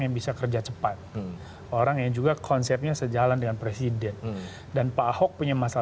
yang bisa kerja cepat orang yang juga konsepnya sejalan dengan presiden dan pak ahok punya masalah